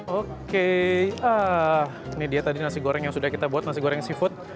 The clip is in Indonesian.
oke ini dia tadi nasi goreng yang sudah kita buat nasi goreng seafood